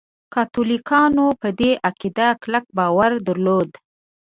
کاتولیکانو په دې عقیده کلک باور درلود.